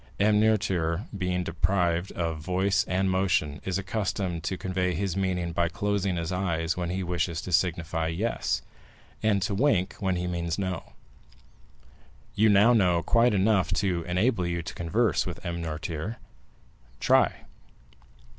M. Noirtier, being deprived of voice and motion, is accustomed to convey his meaning by closing his eyes when he wishes to signify 'yes,' and to wink when he means 'no.' You now know quite enough to enable you to converse with M. Noirtier;—try."